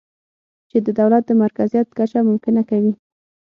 چې د دولت د مرکزیت کچه ممکنه کوي